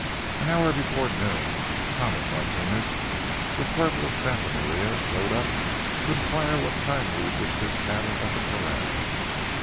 An hour before noon, Tomas Martines, the corporal of Santa Maria, rode up to inquire what time we wished his cattle at the corrals.